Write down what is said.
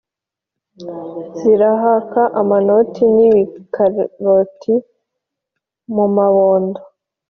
Zirahaka amanoti n'ibikoroti mu mabondo,